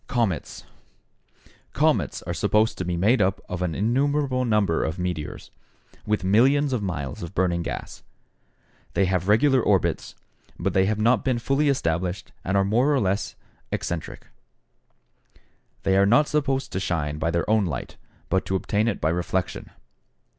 =Comets.= Comets are supposed to be made up of an innumerable number of meteors, with millions of miles of burning gas. They have regular orbits, but they have not been fully established and are more or less eccentric. They are not supposed to shine by their own light, but to obtain it by reflection.